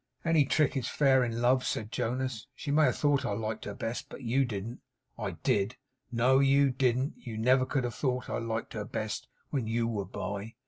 'Any trick is fair in love,' said Jonas. 'She may have thought I liked her best, but you didn't.' 'I did!' 'No, you didn't. You never could have thought I liked her best, when you were by.